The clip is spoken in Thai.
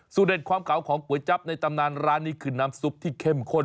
เด็ดความเก่าของก๋วยจั๊บในตำนานร้านนี้คือน้ำซุปที่เข้มข้น